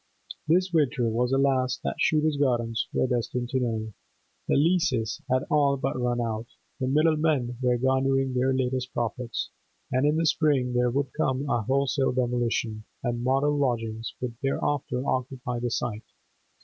... This winter was the last that Shooter's Gardens were destined to know. The leases had all but run out; the middlemen were garnering their latest profits; in the spring there would come a wholesale demolition, and model lodgings would thereafter occupy the site.